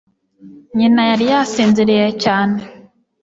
Nyina yari yasinziriye cyane